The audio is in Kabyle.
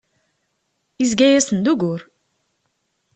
Izga-asen d ugur.